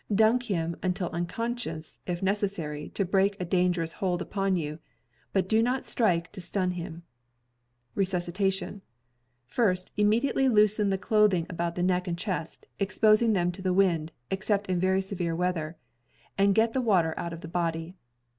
Duck him until unconscious if necessary to break a dangerous hold upon you: but do not strike to stun him. RESUSCITATION— FrrsL Immediately loosen the cloth ing about the neck and chest, ex posing them to the wind, except in very severe weather, and get the water out of the body.